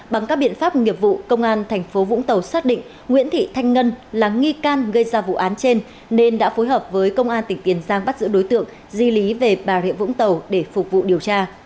bằng các biện pháp nghiệp vụ công an thành phố vũng tàu xác định nguyễn thị thanh ngân là nghi can gây ra vụ án trên nên đã phối hợp với công an tỉnh tiền giang bắt giữ đối tượng di lý về bà rịa vũng tàu để phục vụ điều tra